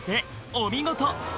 お見事！